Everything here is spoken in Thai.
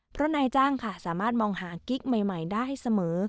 เพราะนายจ้างค่ะสามารถมองหากิ๊กใหม่ได้เสมอ